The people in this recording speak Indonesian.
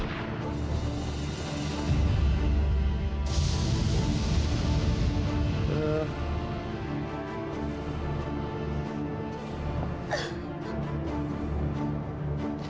kalau dik technological suku nekaring russoapa lah